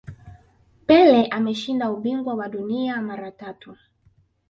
pele ameshinda ubingwa wa dunia mara tatu